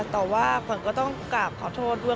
แต่ว่าขวัญก็ต้องกราบขอโทษด้วย